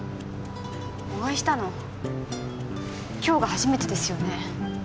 お会いしたの今日が初めてですよね？